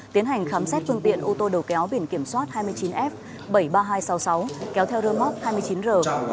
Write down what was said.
tiến hành khám xét phương tiện ô tô đầu kéo biển kiểm soát hai mươi chín f bảy mươi ba nghìn hai trăm sáu mươi sáu kéo theo rơ móc hai mươi chín r bảy nghìn bốn mươi ba